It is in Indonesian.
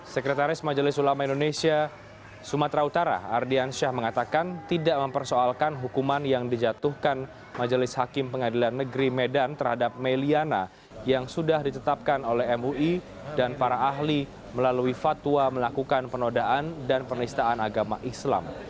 sekretaris majelis ulama indonesia sumatera utara ardiansyah mengatakan tidak mempersoalkan hukuman yang dijatuhkan majelis hakim pengadilan negeri medan terhadap meliana yang sudah ditetapkan oleh mui dan para ahli melalui fatwa melakukan penodaan dan penistaan agama islam